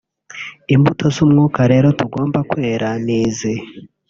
Imbuto z’Umwuka rero tugomba kwera ni izi